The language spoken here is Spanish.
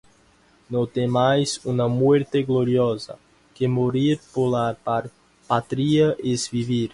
no temais una muerte gloriosa que morir por la patria es vivir